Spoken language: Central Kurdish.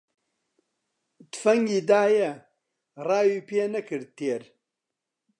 تفەنگی دایە، ڕاوی پێ نەکرد تێر